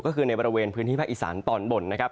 ก็คือในบริเวณพื้นที่ภาคอีสานตอนบนนะครับ